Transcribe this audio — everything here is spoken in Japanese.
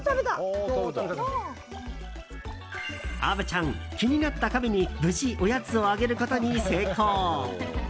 虻ちゃん、気になったカメに無事おやつをあげることに成功。